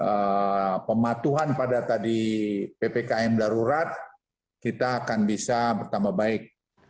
karena pematuhan pada tadi ppkm darurat kita akan bisa bertambah baik